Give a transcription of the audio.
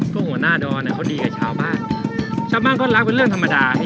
หัวหน้าดอนเขาดีกับชาวบ้านชาวบ้านเขารักเป็นเรื่องธรรมดา